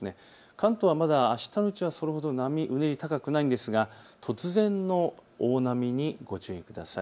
関東はまだあしたのうちは波、うねり高くないですが突然の大波にご注意ください。